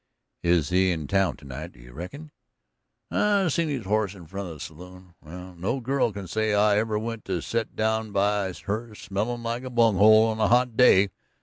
"Is he in town tonight, do you reckon?" "I seen his horse in front of the saloon. Well, no girl can say I ever went and set down by her smellin' like a bunghole on a hot day.